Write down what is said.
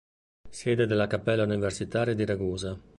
Sede della Cappella Universitaria di Ragusa.